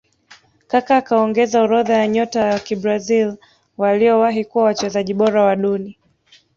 Kaka akaongeza orodha ya nyota wa kibrazil waliowahi kuwa wachezaji bora wa duni